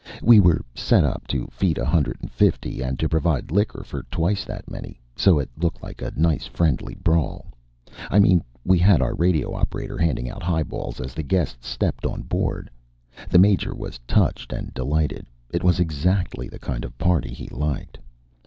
We were set up to feed a hundred and fifty, and to provide liquor for twice that many, so it looked like a nice friendly brawl. I mean we had our radio operator handing out highballs as the guests stepped on board. The Major was touched and delighted; it was exactly the kind of party he liked.